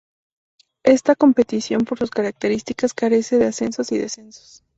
Esta competición, por sus características, carece de ascensos y descensos.